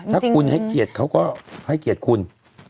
ถ้าคุณให้เกียรติเขาก็ให้เกียรติคุณ